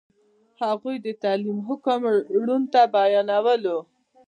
هغوی د تعلیم حکم روڼ نه بیانولو.